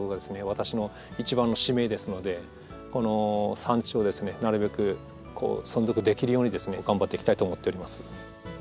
私の一番の使命ですのでこの産地をですねなるべく存続できるようにですね頑張っていきたいと思っております。